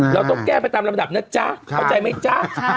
เราต้องแก้ไปตามระดับเนาะจ้ะ